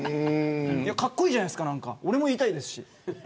かっこいいじゃないですか俺も言いたいですし。